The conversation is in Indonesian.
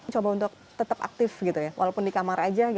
coba untuk tetap aktif gitu ya walaupun di kamar aja